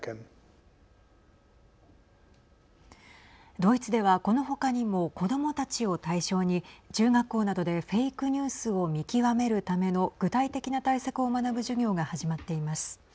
ドイツではこの他にも子どもたちを対象に中学校などでフェイクニュースを見極めるための具体的な対策を学ぶ授業が始まっています。